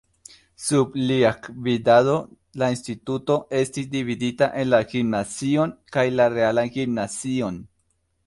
Sub lia gvidado la instituto estis dividita en la gimnazion kaj la realan gimnazion.